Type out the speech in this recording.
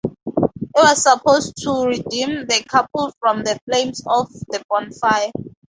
It was supposed to redeem the couple from the flames of the bonfire.